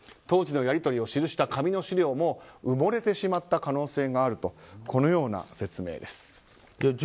当時のやり取りを記した紙の資料も埋もれてしまった可能性があるとこのような説明です。